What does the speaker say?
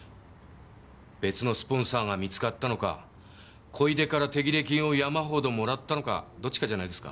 別のスポンサーが見つかったのか小出から手切れ金を山ほどもらったのかどっちかじゃないですか。